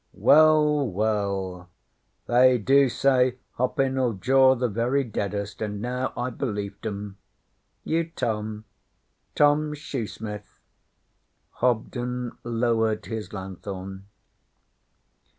'Well, well! They do say hoppin' 'll draw the very deadest, and now I belieft 'em. You, Tom? Tom Shoesmith?' Hobden lowered his lanthorn.